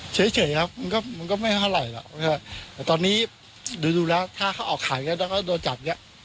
แต่ตอนนี้ดูดูแล้วเขาราคาออกขายแล้วโดนจับ